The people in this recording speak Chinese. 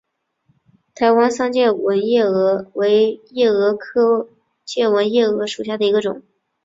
台湾桑剑纹夜蛾为夜蛾科剑纹夜蛾属下的一个种。